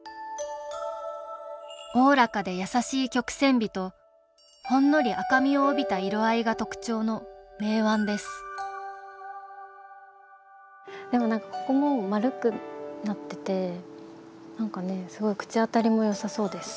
おおらかで優しい曲線美とほんのり赤みを帯びた色合いが特徴の名碗ですなんかね、すごい口当たりもよさそうです。